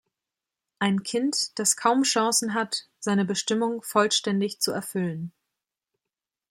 Ein Kind, das kaum Chancen hat, seine Bestimmung vollständig zu erfüllen.